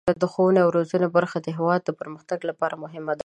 د ښوونې او روزنې برخه د هیواد د پرمختګ لپاره مهمه ده.